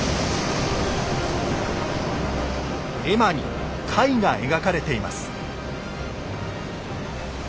絵馬に櫂が描かれています。